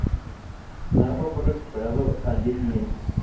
Narva fue recuperada el día siguiente.